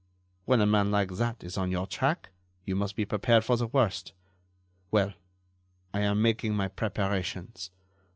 When a man like that is on your track, you must be prepared for the worst. Well, I am making my preparations.